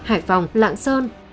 hải phòng lạng sơn